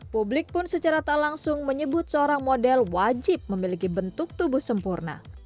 publik pun secara tak langsung menyebut seorang model wajib memiliki bentuk tubuh sempurna